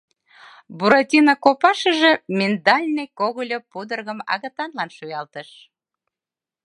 Буратино копашыже миндальный когыльо пудыргым агытанлан шуялтыш: